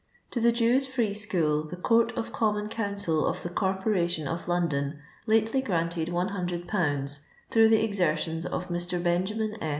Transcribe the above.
To the Jews' Free School the Court of Common Council of the Corporation of London hitely granted 100^., through the exertions of Mr. Beujamm S.